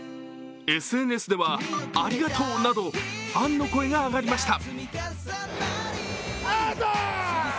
ＳＮＳでは、ありがとうなどファンの声が上がりました。